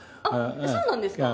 そうなんですか？